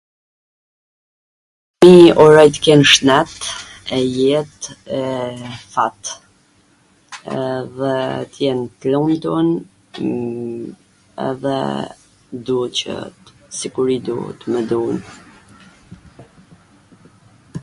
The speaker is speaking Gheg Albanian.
uroj t ken shnet e jet e fat, edhe t jen t lumtun edhe ,,, dua qw sikur i du t mw dun